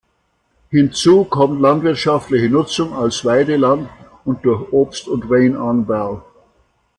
Hinzu kommt landwirtschaftliche Nutzung als Weideland und durch Obst- und Weinanbau.